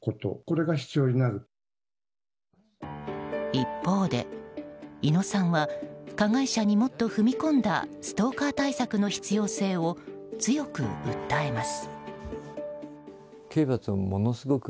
一方で猪野さんは加害者にもっと踏み込んだストーカー対策の必要性を強く訴えます。